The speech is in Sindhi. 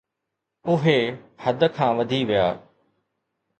اهي حد کان وڌي ويا.